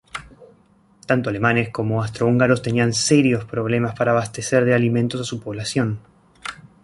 Tanto alemanes como austrohúngaros tenían serios problemas para abastecer de alimentos a su población.